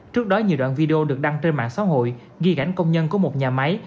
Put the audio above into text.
trước đó nhiều đoạn video được đăng trên mạng xã hội ghi gãnh công nhân của một nhà máy